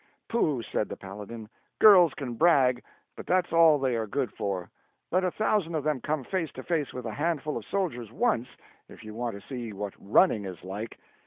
"Pooh!" said the Paladin; "girls can brag, but that's all they are good for. Let a thousand of them come face to face with a handful of soldiers once, if you want to see what running is like.